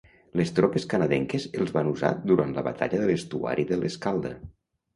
Les tropes canadenques els van usar durant la batalla de l'estuari de l'Escalda.